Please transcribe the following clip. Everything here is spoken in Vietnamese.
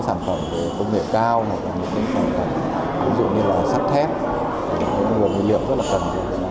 các sản phẩm công nghệ cao sản phẩm sắt thép nguồn nguồn liệu rất là cần